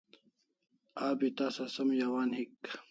Abi tasa som yawan hik